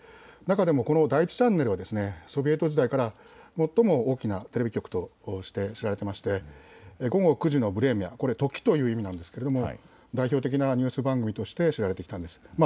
中でも第１チャンネルはソビエト時代から最も大きなテレビ局として知られていて午後９時のプレミア、時という意味ですが代表的なニュース番組として知られていたんです。